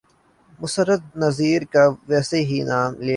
مسرت نذیر کا ویسے ہی نام لے لیا۔